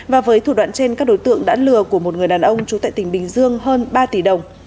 và với thủ đoạn trên các đối tượng đã lừa của một người đàn ông trú tại tỉnh bình dương hơn ba tỷ đồng